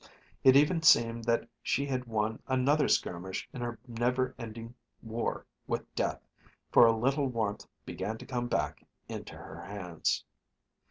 It even seemed that she had won another skirmish in her never ending war with death, for a little warmth began to come back into her hands.